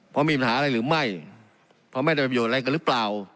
เพราะมีปัญหาอะไรหรือไม่เพราะไม่ได้ประโยชน์อะไรกันหรือเปล่า